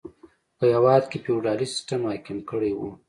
په هېواد کې فیوډالي سیستم حاکم کړی و.